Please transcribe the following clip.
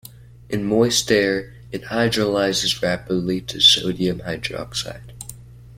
In moist air, it hydrolyzes rapidly to sodium hydroxide.